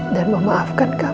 dan memaafkan kami